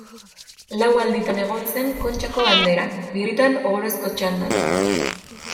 Lau alditan egon zen Kontxako Banderan, birritan Ohorezko Txandan.